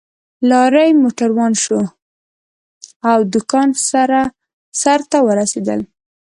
لارۍ موټر روان شو او د کان سر ته ورسېدل